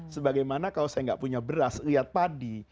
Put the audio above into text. sebagaimana kalau saya nggak punya beras lihat padi